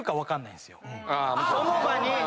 その場に。